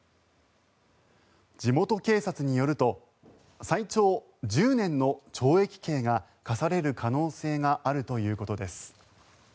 地元警察によると最長１０年の懲役刑が科される可能性があるということです。